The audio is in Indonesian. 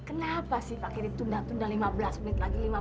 kenapa sih pak kiri tunda tunda lima belas menit lagi